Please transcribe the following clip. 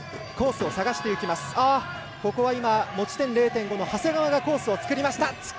持ち点０．５の長谷川がコースを作りました。